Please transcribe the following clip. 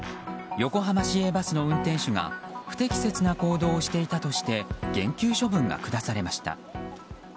横浜市営バスの運転手が不適切な行動をしていたとして減給処分が下されました。